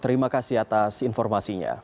terima kasih atas informasinya